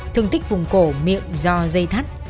thương tích vùng cổ miệng do dây thắt